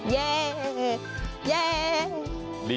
วันนี้